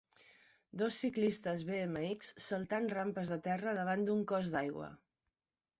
Dos ciclistes BMX saltant rampes de terra davant d'un cos d'aigua.